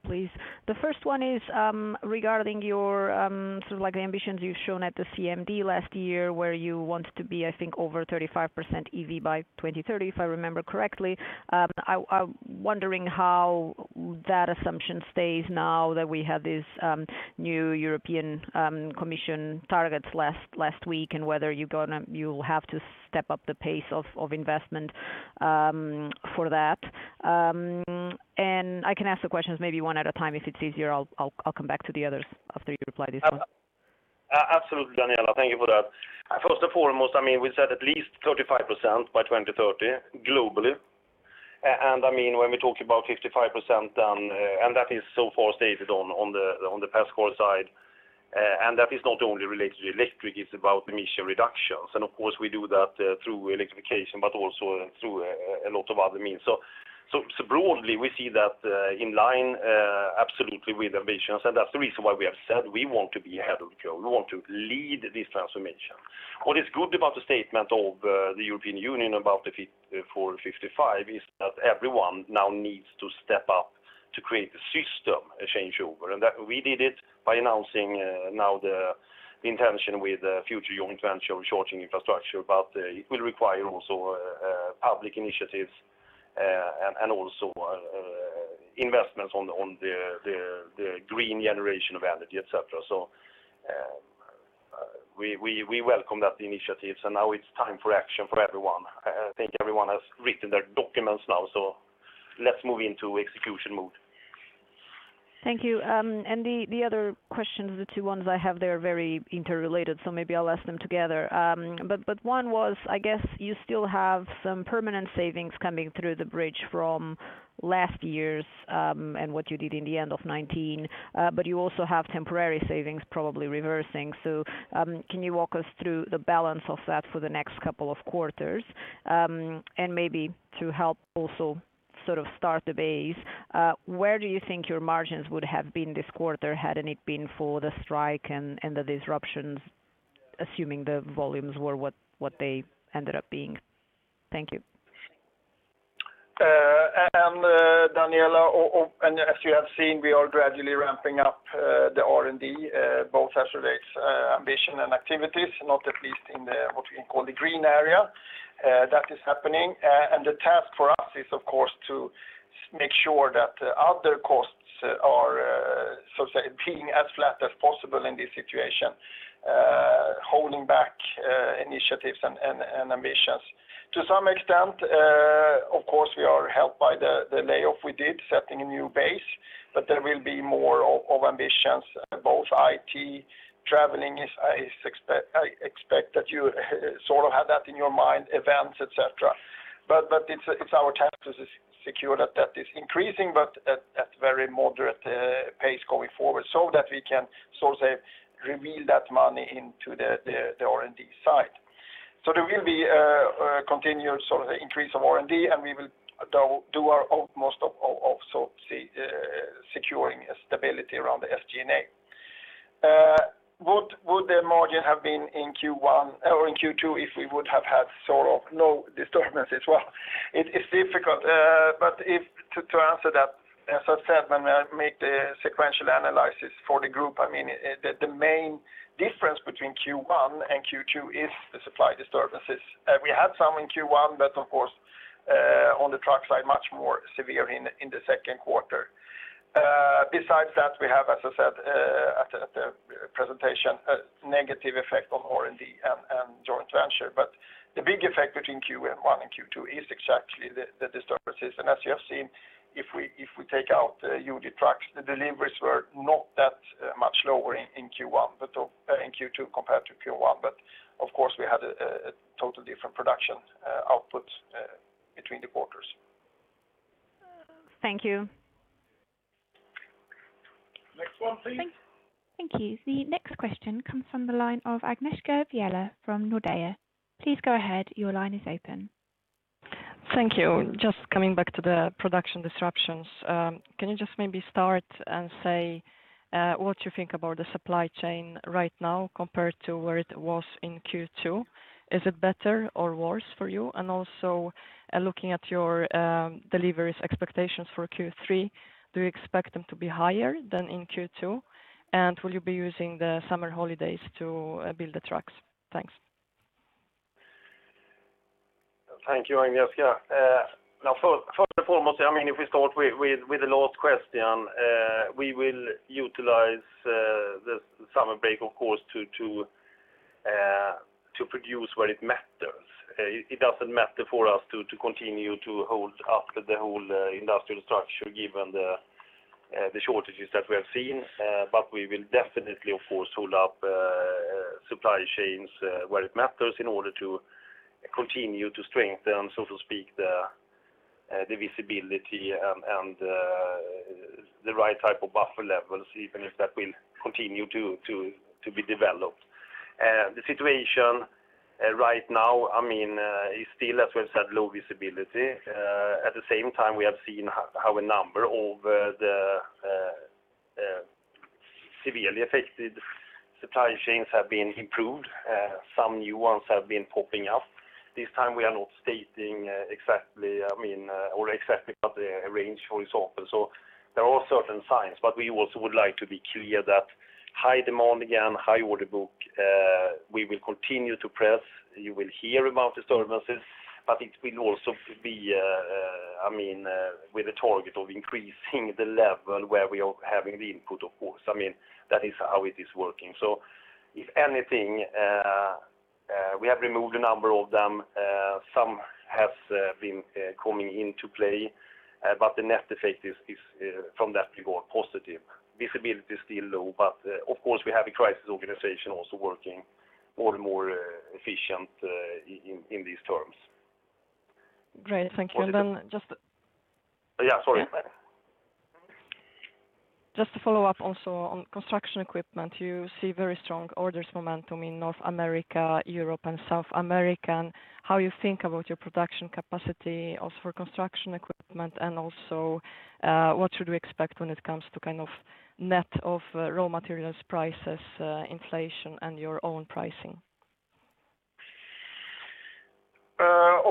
please. The first one is regarding your ambitions you've shown at the CMD last year, where you wanted to be, I think, over 35% EV by 2030, if I remember correctly. I'm wondering how that assumption stays now that we had these new European Commission targets last week, and whether you'll have to step up the pace of investment for that. I can ask the questions maybe one at a time if it's easier. I'll come back to the others after you reply to this one. Absolutely, Daniela, thank you for that. First and foremost, we said at least 35% by 2030 globally. When we talk about 55%, and that is so far stated on the [pas score side], and that is not only related to electric, it's about emission reductions. Of course, we do that through electrification, but also through a lot of other means. Broadly, we see that in line absolutely with ambitions, and that's the reason why we have said we want to be ahead of the curve. We want to lead this transformation. What is good about the statement of the European Union about the Fit for 55 is that everyone now needs to step up to create a system changeover. We did it by announcing now the intention with future joint venture of charging infrastructure, but it will require also public initiatives and also investments on the green generation of energy, et cetera. We welcome that initiatives, and now it's time for action for everyone. I think everyone has written their documents now, so let's move into execution mode. Thank you. The other questions, the two ones I have there are very interrelated, so maybe I'll ask them together. One was, I guess you still have some permanent savings coming through the bridge from last year's, and what you did in the end of 2019. You also have temporary savings probably reversing. Can you walk us through the balance of that for the next couple of quarters? Maybe to help also sort of start the base, where do you think your margins would have been this quarter had it not been for the strike and the disruptions, assuming the volumes were what they ended up being? Thank you. Daniela, as you have seen, we are gradually ramping-up the R&D, both as relates ambition and activities, not at least in what we can call the green area. That is happening, and the task for us is of course to make sure that other costs are, so to say, being as flat as possible in this situation, holding back initiatives and ambitions. To some extent, of course, we are helped by the layoff we did, setting a new base, but there will be more of ambitions, both IT, traveling, I expect that you sort of have that in your mind, events, et cetera. It's our task to secure that is increasing, but at very moderate pace going forward, so that we can so to say reveal that money into the R&D side. There will be a continued increase of R&D, and we will do our utmost of also securing stability around the SG&A. What would the margin have been in Q2 if we would have had no disturbances? Well, it's difficult. To answer that, as I said, when I make the sequential analysis for the group, the main difference between Q1 and Q2 is the supply disturbances. We had some in Q1, but of course, on the truck side, much more severe in the second quarter. Besides that, we have, as I said at the presentation, a negative effect on R&D and joint venture. The big effect between Q1 and Q2 is exactly the disturbances. As you have seen, if we take out UD Trucks, the deliveries were not that much lower in Q2 compared to Q1. Of course, we had a total different production output between the quarters. Thank you. Next one, please. Thank you. The next question comes from the line of Agnieszka Vilela from Nordea. Please go ahead. Your line is open. Thank you. Just coming back to the production disruptions. Can you just maybe start and say what you think about the supply chain right now compared to where it was in Q2? Is it better or worse for you? Looking at your deliveries expectations for Q3, do you expect them to be higher than in Q2? Will you be using the summer holidays to build the trucks? Thanks. Thank you, Agnieszka. First and foremost, if we start with the last question, we will utilize the summer break, of course, to produce where it matters. It doesn't matter for us to continue to hold up the whole industrial structure given the shortages that we have seen. We will definitely, of course, hold up supply chains where it matters in order to continue to strengthen, so to speak, the visibility and the right type of buffer levels, even if that will continue to be developed. The situation right now is still, as we have said, low visibility. At the same time, we have seen how a number of the severely affected supply chains have been improved. Some new ones have been popping up. This time we are not stating exactly, or exactly, but the range, for example. There are certain signs, but we also would like to be clear that high demand, again, high order book, we will continue to press. You will hear about disturbances, but it will also be with a target of increasing the level where we are having the input, of course. That is how it is working. If anything, we have removed a number of them. Some have been coming into play, but the net effect is from that regard, positive. Visibility is still low, but of course, we have a crisis organization also working more and more efficient in these terms. Great. Thank you. Yeah, sorry. Just to follow-up also on construction equipment, you see very strong orders momentum in North America, Europe, and South America. How you think about your production capacity also for construction equipment, and also what should we expect when it comes to net of raw materials prices, inflation, and your own pricing?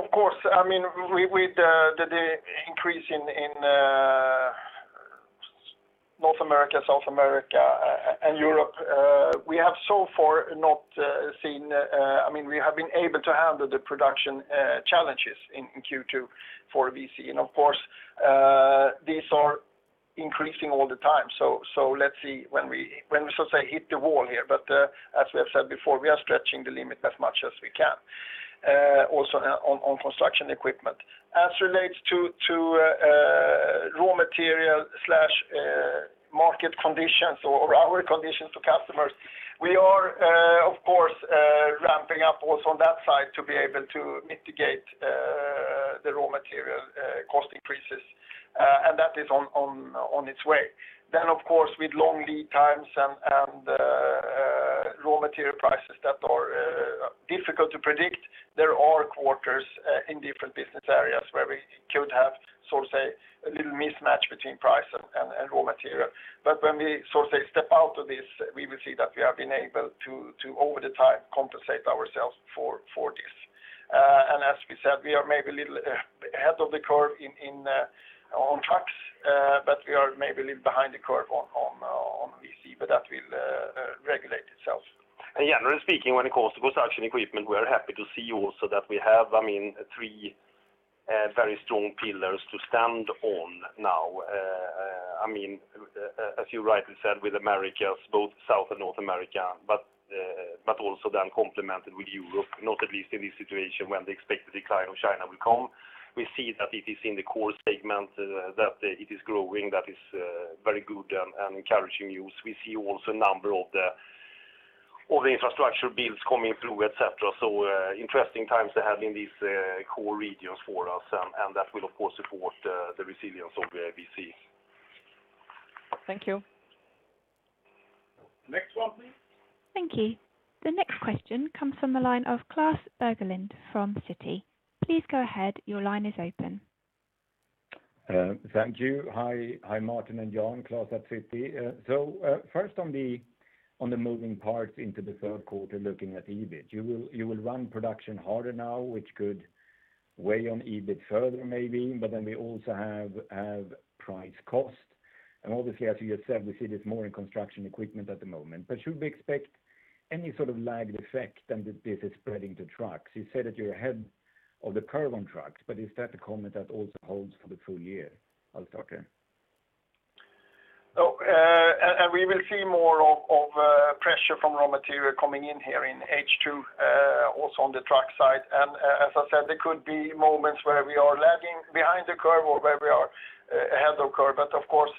With the increase in North America, South America, and Europe, we have been able to handle the production challenges in Q2 for VCE. Of course, these are increasing all the time. Let's see when we so to say hit the wall here. As we have said before, we are stretching the limit as much as we can, also on construction equipment. As relates to raw material/market conditions or our conditions to customers, we are of course ramping-up also on that side to be able to mitigate the raw material cost increases. That is on its way. Of course, with long lead times and raw material prices that are difficult to predict. There are quarters in different business areas where we could have, so to say, a little mismatch between price and raw material. When we, so to say, step out of this, we will see that we have been able to, over time, compensate ourselves for this. As we said, we are maybe a little ahead of the curve on trucks, but we are maybe a little behind the curve on Volvo CE, but that will regulate itself. Generally speaking, when it comes to construction equipment, we are happy to see also that we have three very strong pillars to stand on now. You rightly said, with Americas, both South and North America, but also then complemented with Europe, not at least in this situation when the expected decline of China will come. We see that it is in the core segment that it is growing. That is very good and encouraging news. We see also a number of the infrastructure builds coming through, et cetera. Interesting times ahead in these core regions for us, and that will, of course, support the resilience of the ABC. Thank you. Next one, please. Thank you. The next question comes from the line of Klas Bergelind from Citi. Please go ahead. Your line is open. Thank you. Hi, Martin and Jan. Klas at Citi. First on the moving parts into the third quarter, looking at EBIT. You will run production harder now, which could weigh on EBIT further maybe, but then we also have price cost, and obviously, as you just said, we see this more in construction equipment at the moment. Should we expect any sort of lagged effect and that this is spreading to trucks? You said that you're ahead of the curve on trucks, but is that a comment that also holds for the full-year? I'll start there. No. We will see more of pressure from raw material coming in here in H2, also on the truck side. As I said, there could be moments where we are lagging behind the curve or where we are ahead of curve. Of course,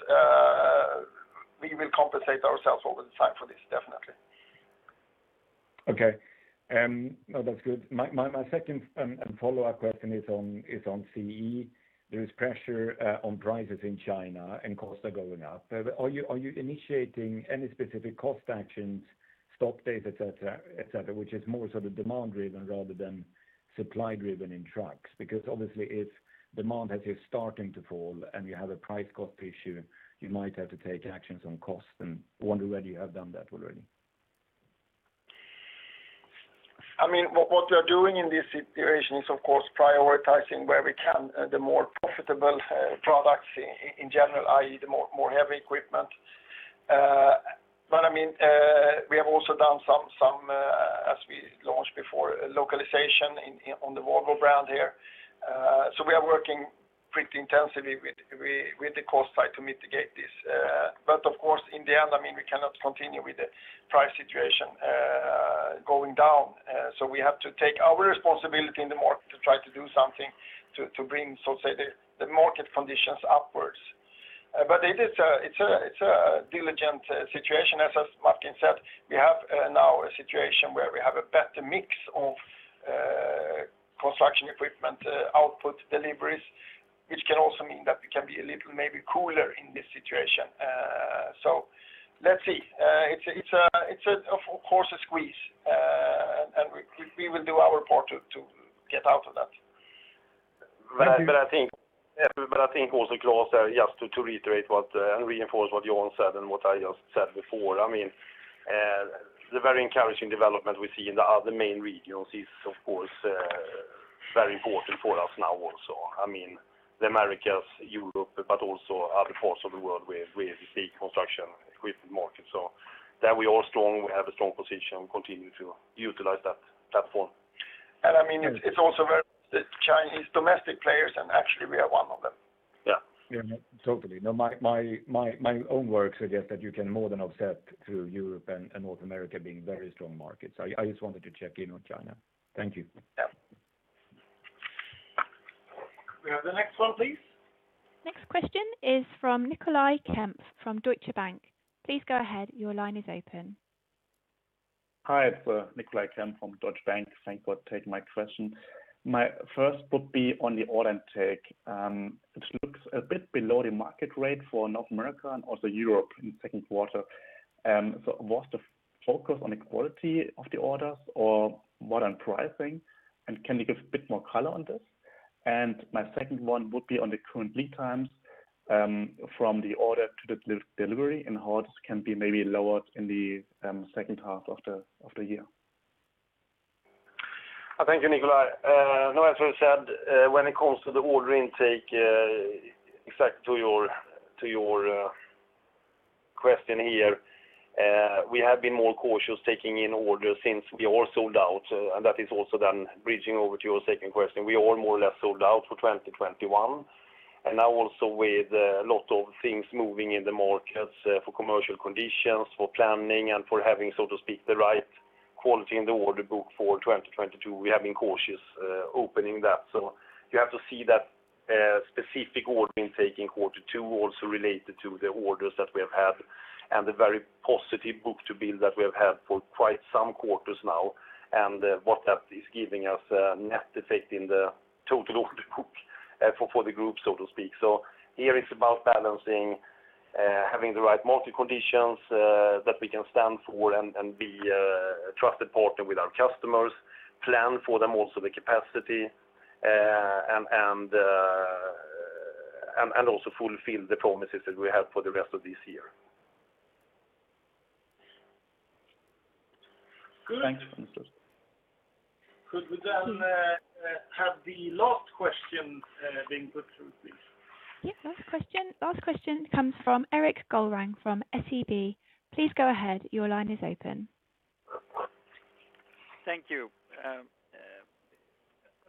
we will compensate ourselves over the time for this, definitely. Okay. No, that's good. My second and follow-up question is on CE. There is pressure on prices in China and costs are going up. Are you initiating any specific cost actions, stock days, et cetera, which is more demand-driven rather than supply-driven in trucks? Obviously if demand has here starting to fall and you have a price-cost issue, you might have to take actions on cost. I wonder whether you have done that already. What we are doing in this situation is, of course, prioritizing where we can, the more profitable products in general, i.e., the more heavy equipment. We have also done some, as we launched before, localization on the Volvo brand here. We are working pretty intensively with the cost side to mitigate this. Of course, in the end, we cannot continue with the price situation going down. We have to take our responsibility in the market to try to do something to bring, so to say, the market conditions upwards. It's a diligent situation. As Martin said, we have now a situation where we have a better mix of construction equipment output deliveries, which can also mean that we can be a little maybe cooler in this situation. Let's see. It's of course, a squeeze, and we will do our part to get out of that. Thank you. I think also, Klas, just to reiterate and reinforce what Jan said and what I just said before, the very encouraging development we see in the other main regions is, of course, very important for us now also, the Americas, Europe, but also other parts of the world where we see construction equipment market. There we are strong. We have a strong position. We continue to utilize that [form]. It's also where the Chinese domestic players, and actually we are one of them. Yeah. Totally. My own work suggests that you can more than offset through Europe and North America being very strong markets. I just wanted to check in on China. Thank you. Yeah. We have the next one, please. Next question is from Nicolai Kempf from Deutsche Bank. Please go ahead. Your line is open. Hi, it's Nicolai Kempf from Deutsche Bank. Thank you for taking my question. My first would be on the order intake, which looks a bit below the market rate for North America and also Europe in second quarter. Was the focus on the quality of the orders or more on pricing, and can you give a bit more color on this? My second one would be on the current lead times, from the order to the delivery, and how this can be maybe lowered in the second half of the year. Thank you, Nicolai. No, as we said, when it comes to the order intake, exact to your question here, we have been more cautious taking in orders since we are sold out. That is also then bridging over to your second question. We are more or less sold out for 2021. Now also with a lot of things moving in the markets for commercial conditions, for planning, and for having, so to speak, the right quality in the order book for 2022, we have been cautious opening that. You have to see that specific order intake in quarter two also related to the orders that we have had, and the very positive book-to-bill that we have had for quite some quarters now, and what that is giving us net effect in the total order book. For the group, so to speak. Here it's about balancing having the right market conditions that we can stand for and be a trusted partner with our customers, plan for them also the capacity, and also fulfill the promises that we have for the rest of this year. Good. Could we have the last question being put through, please? Yes, last question. Last question comes from Erik Golrang from SEB. Please go ahead. Your line is open. Thank you. I'm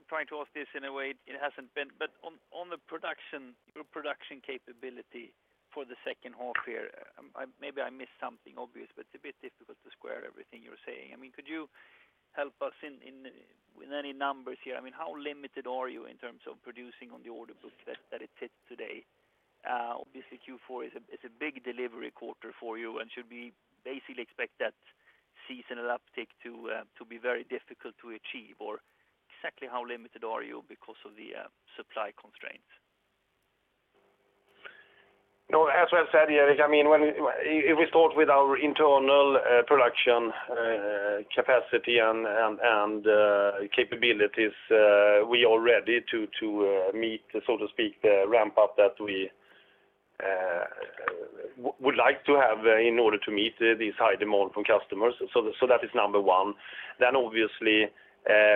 trying to ask this in a way it hasn't been, but on the production capability for the second half year, maybe I missed something obvious, but it's a bit difficult to square everything you're saying. Could you help us with any numbers here? How limited are you in terms of producing on the order book that is hit today? Obviously, Q4 is a big delivery quarter for you, and should we basically expect that seasonal uptick to be very difficult to achieve? Exactly how limited are you because of the supply constraints? As I said, Erik, if we start with our internal production capacity and capabilities, we are ready to meet, so to speak, the ramp-up that we would like to have in order to meet this high demand from customers. That is number one. Obviously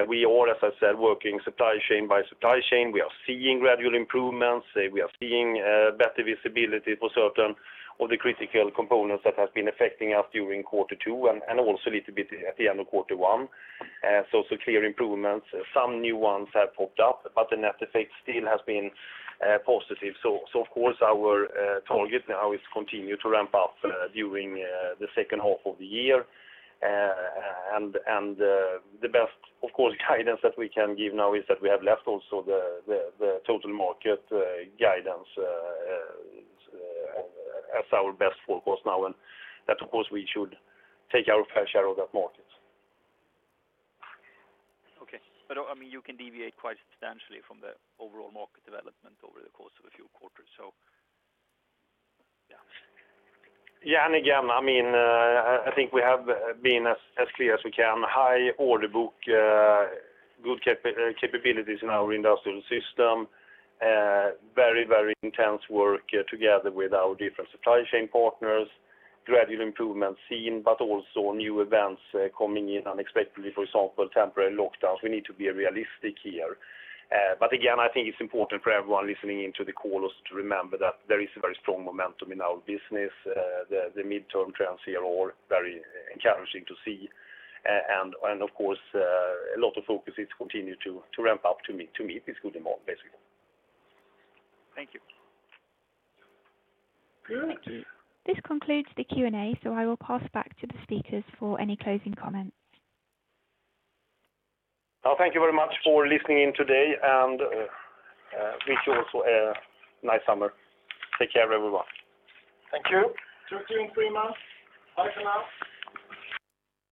we are, as I said, working supply chain by supply chain. We are seeing gradual improvements. We are seeing better visibility for certain of the critical components that have been affecting us during quarter two and also a little bit at the end of quarter one. Clear improvements. Some new ones have popped up, but the net effect still has been positive. Of course our target now is to continue to ramp-up during the second half of the year. The best, of course, guidance that we can give now is that we have left also the total market guidance as our best forecast now, and that of course we should take our fair share of that market. Okay. You can deviate quite substantially from the overall market development over the course of a few quarters. Yeah. Again, I think we have been as clear as we can. High order book, good capabilities in our industrial system. Very intense work together with our different supply chain partners, gradual improvements seen, but also new events coming in unexpectedly. For example, temporary lockdowns. We need to be realistic here. Again, I think it's important for everyone listening in to the call also to remember that there is a very strong momentum in our business. The mid-term trends here are very encouraging to see. Of course, a lot of focus is continue to ramp-up to meet this good demand, basically. Thank you. Good. This concludes the Q&A. I will pass back to the speakers for any closing comments. Thank you very much for listening in today, and wish you also a nice summer. Take care, everyone. Thank you. Talk to you in three months. Bye for now.